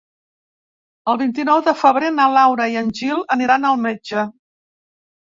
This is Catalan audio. El vint-i-nou de febrer na Laura i en Gil aniran al metge.